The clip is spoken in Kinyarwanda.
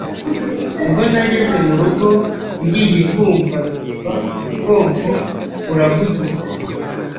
ubwo nageze mu rugo ngiye kumva numva umugongo uragudutse